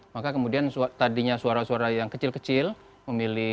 maka kemudian tadinya suara suara yang kecil kecil memilih